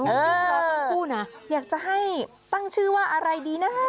เอออยากจะให้ตั้งชื่อว่าอะไรดีนะ